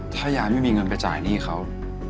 ถ้ายายไม่มีเงินไปจ่ายหนี้เขา